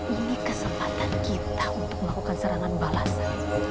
ini kesempatan kita untuk melakukan serangan balasan